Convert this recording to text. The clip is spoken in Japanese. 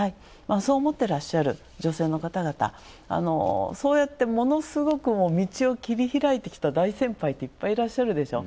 そう思っていらっしゃる女性の方々、そうやってものすごく道を切り開いてきた大先輩っていっぱいいらっしゃるでしょ。